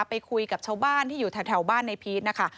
ไปคุยกับชาวบ้านที่อยู่แถวบ้านในพีชนะคะ